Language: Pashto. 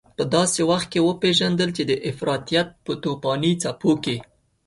په داسې وخت کې وپېژندل چې د افراطيت په توپاني څپو کې.